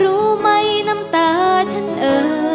รู้ไหมน้ำตาฉันเอ่อ